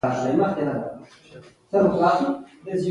ښوونځي په پوهنتون بدل شو او شانتي نیکیتن شو.